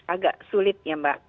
agak sulit ya mbak